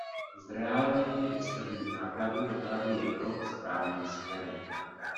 Zreálnění externích nákladů dopravy je krok správným směrem.